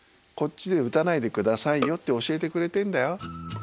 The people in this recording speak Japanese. こっちで打たないで下さいよって教えてくれてんだよ。